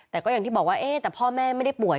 แต่ก็อย่างที่บอกว่าแต่พ่อแม่ไม่ได้ป่วย